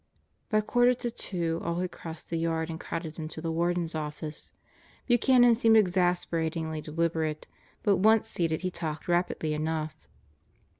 By quarter to two all had crossed the yard and crowded into the Warden's office. Buchanan seemed exasperatingly deliberate. But once seated he talked rapidly enough.